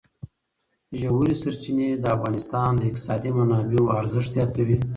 ژورې سرچینې د افغانستان د اقتصادي منابعو ارزښت زیاتوي.